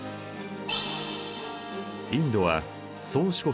インドは宗主国